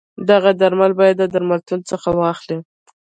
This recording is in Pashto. دغه درمل باید درملتون څخه واخلی.